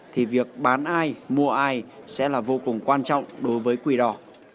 thì việc bán ai mua ai sẽ là vô cùng quan trọng đối với quỷ đỏ